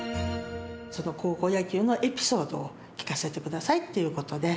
ちょっと高校野球のエピソードを聞かせてくださいっていうことで。